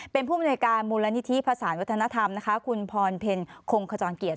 เป็นผู้บริษัทการมูลนิธิภาษาวัฒนธรรมคุณพรเพ็ญโครงคจรเกียรติ